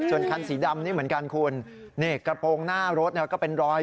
ส่วนคันสีดำนี่เหมือนกันคุณนี่กระโปรงหน้ารถก็เป็นรอย